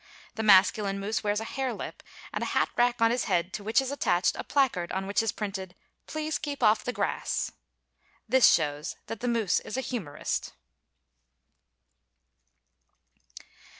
The masculine moose wears a harelip, and a hat rack on his head to which is attached a placard on which is printed: PLEASE KEEP OFF THE GRASS. This shows that the moose is a humorist.